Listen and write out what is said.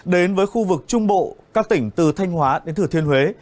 đến với khu vực trung bộ các tỉnh từ thanh hóa đến thừa thiên huế